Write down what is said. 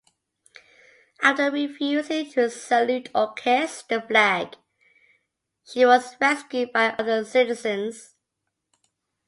After refusing to salute or kiss the flag she was rescued by other citizens.